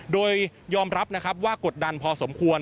โดยยอมรับว่ากดดันพอสมควร